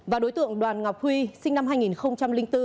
và đối tượng đoàn ngọc huy sinh năm hai nghìn bốn